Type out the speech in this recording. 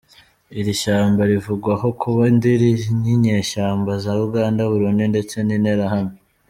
Iri shyamba rivugwaho kuba indiri y’inyeshyamaba za Uganda, Burundi ndetse n’Interahamwe.